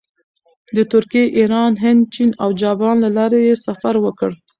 د ترکیې، ایران، هند، چین او جاپان له لارې یې سفر وکړ.